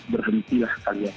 berhenti lah kalian